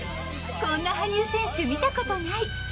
こんな羽生選手、見たことない！